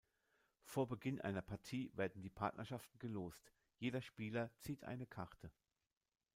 Vor Beginn einer Partie werden die Partnerschaften gelost; jeder Spieler zieht eine Karte.